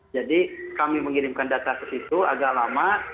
kami mengirimkan data ke situ agak lama